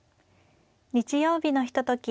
日曜日のひととき